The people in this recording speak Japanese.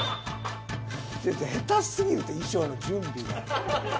下手すぎるって衣装の準備が。